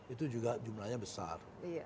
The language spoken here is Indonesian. itu juga jumlahnya besar